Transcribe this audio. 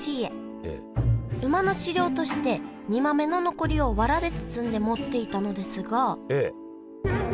馬の飼料として煮豆の残りをわらで包んで持っていたのですがええ。